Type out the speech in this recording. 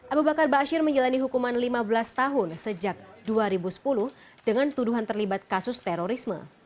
abu bakar bashir menjalani hukuman lima belas tahun sejak dua ribu sepuluh dengan tuduhan terlibat kasus terorisme